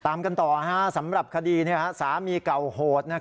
ตามกันต่อสำหรับคดีสามีเก่าโหด